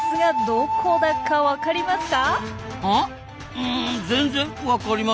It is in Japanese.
うん全然わかりません。